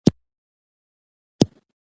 پیلوټ د مځکې له نقشې سره سم الوتنه کوي.